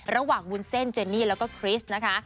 วุ้นเส้นเจนี่แล้วก็คริสต์นะคะ